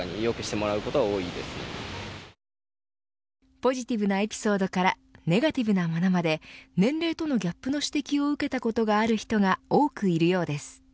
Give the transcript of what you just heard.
ポジティブなエピソードからネガティブなものまで、年齢とのギャップの指摘を受けたことがある人が多くいるようです。